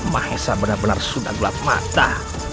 mahesa benar benar sudah gelap mata